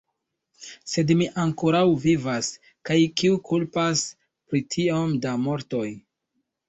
Sed mi ankoraŭ vivas, kaj kiu kulpas pri tiom da mortoj?